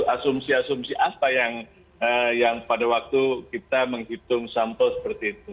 asumsi asumsi apa yang pada waktu kita menghitung sampel seperti itu